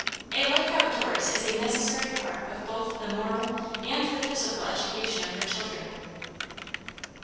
A life out doors is a necessary part of both the moral and the physical education of her children.